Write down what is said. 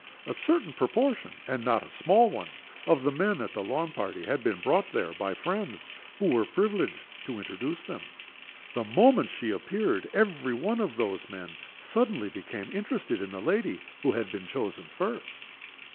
A certain proportion and not a small one of the men at the lawn party had been brought there by friends who were privileged to introduce them. The moment she appeared every one of those men suddenly became interested in the lady who had been chosen first.